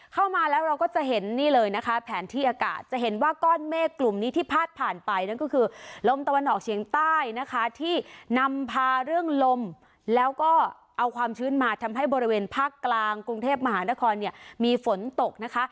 เข้ามาแล้วเราก็จะเห็นนี่เลยนะคะแผนที่อากาศจะเห็นว่าก้อนเมฆกลุ่มนี้ที่พาดผ่านไปนั่นก็คือลมตะวันออกเฉียงใต้นะคะที่นำพาเรื่องลมแล้วก็เอาความชื้นมาทำให้บริเวณภาคกลางกรุงเทพมหานครเนี่ยมีฝนตกนะคะ